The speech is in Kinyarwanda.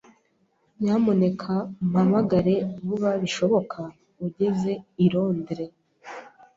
Nyamuneka umpamagare vuba bishoboka ugeze i Londres.